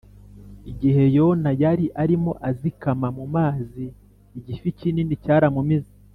Igihe Yona yari arimo azikama mu mazi igifi kinini cyaramumize